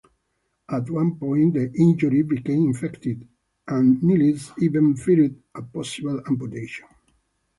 At one point the injury became infected and Nilis even feared a possible amputation.